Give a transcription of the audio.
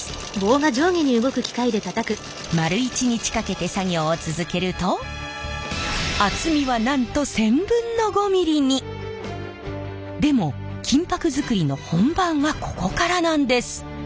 丸一日かけて作業を続けると厚みはなんと１０００分の５ミリに。でも金箔作りの本番はここからなんです！